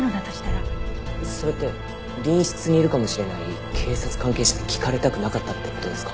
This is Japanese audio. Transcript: それって隣室にいるかもしれない警察関係者に聞かれたくなかったって事ですか？